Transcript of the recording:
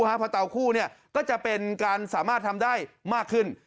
เพราะเถาคู่ก็จะทำได้มากขึ้น